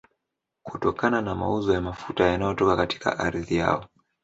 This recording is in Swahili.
kutokana na mauzo ya mafuta yanayotoka katika ardhi yao